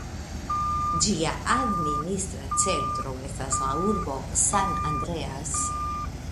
Ĝia administra centro estas la urbo San Andreas.